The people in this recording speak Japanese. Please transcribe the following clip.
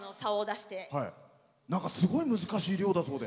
すごい難しい漁だそうで。